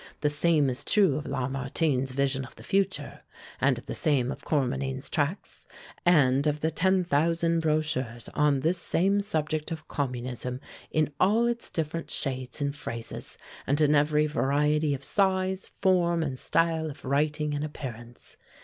The same is true of Lamartine's 'Vision of the Future,' and the same of Cormenin's tracts, and of the ten thousand brochures on this same subject of Communism in all its different shades and phrases, and in every variety of size, form and style of writing and appearance.